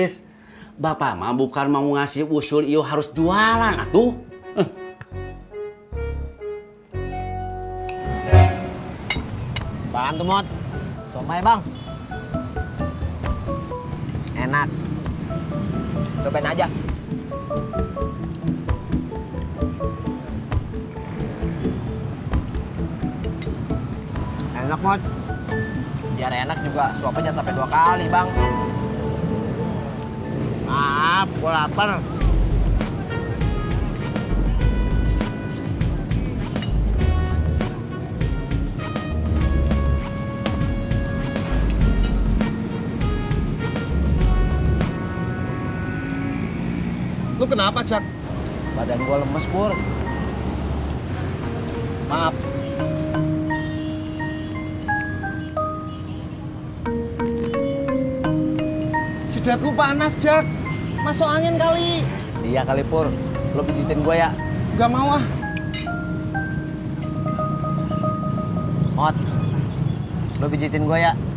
sampai jumpa di video selanjutnya